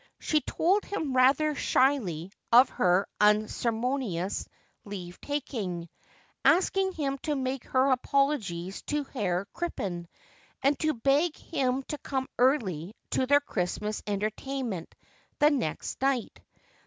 She told him rather shyly of her unceremonious leave taking, asking him to make her apologies to Herr Crippen and to beg him to come early to their Christmas entertainment the next night.